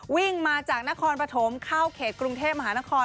วิ่งมาจากนครปฐมเข้าเขตกรุงเทพมหานคร